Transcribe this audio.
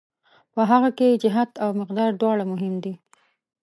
په هغه کې جهت او مقدار دواړه مهم دي.